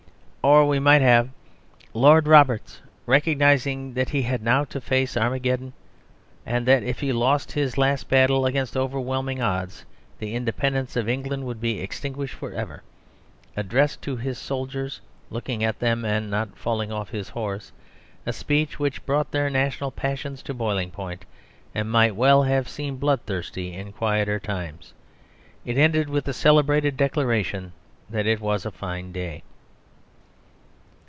'" Or, we might have: "Lord Roberts, recognising that he had now to face Armageddon, and that if he lost this last battle against overwhelming odds the independence of England would be extinguished forever, addressed to his soldiers (looking at them and not falling off his horse) a speech which brought their national passions to boiling point, and might well have seemed blood thirsty in quieter times. It ended with the celebrated declaration that it was a fine day."